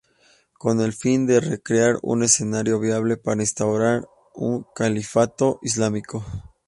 Con el fin de recrear un escenario viable para instaurar un califato islamista.